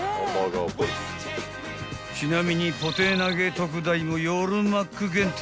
［ちなみにポテナゲ特大も夜マック限定］